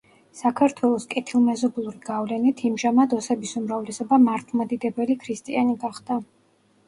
საქართველოს კეთილმეზობლური გავლენით, იმჟამად ოსების უმრავლესობა მართლმადიდებელი ქრისტიანი გახდა.